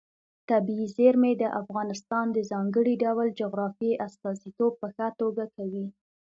طبیعي زیرمې د افغانستان د ځانګړي ډول جغرافیې استازیتوب په ښه توګه کوي.